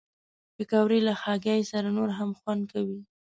پکورې له هګۍ سره نور هم خوند کوي